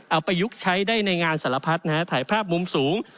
อายุใช้ได้ในงานสารพัดนะฮะถ่ายภาพมุมสูง